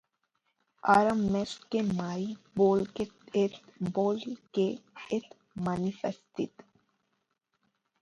Ara més que mai, vull que et manifestis.